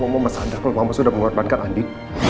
mama sadar kalau mama sudah menguatbankan andi